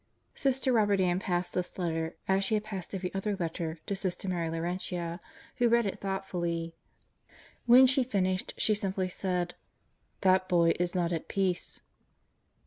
, Sister Robert Ann passed this letter, as she had passed every other letter, to Sister Mary Laurentia, who read it thoughtfully. When she finished she simply said: "That boy is not at peace."